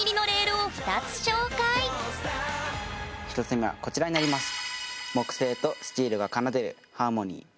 １つ目はこちらになります。